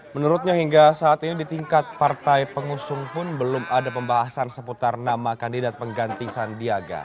menurutnya hingga saat ini di tingkat partai pengusung pun belum ada pembahasan seputar nama kandidat pengganti sandiaga